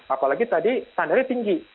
apalagi tadi standarnya tinggi